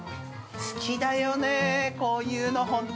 ◆好きだよね、こういうの、本当。